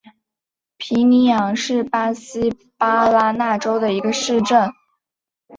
皮尼扬是巴西巴拉那州的一个市镇。